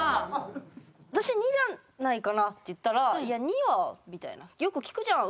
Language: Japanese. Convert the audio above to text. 私「２じゃないかな」って言ったら「いや２は」みたいな。よく聞くじゃん。